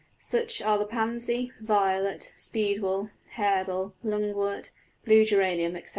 Such are the pansy, violet, speedwell, hairbell, lungwort, blue geranium, etc.